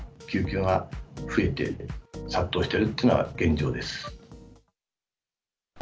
救急が増えて、殺到しているっていうのは現状です。